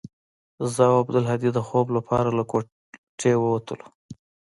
زه او عبدالهادي د خوب لپاره له كوټې وتلو.